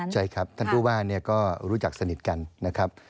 ใช่ครับท่านผู้ว่าก็รู้จักสนิทกันนะครับ